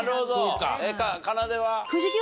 かなでは？